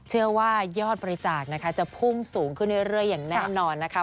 เชื่อว่ายอดบริจาคนะคะจะพุ่งสูงขึ้นเรื่อยอย่างแน่นอนนะคะ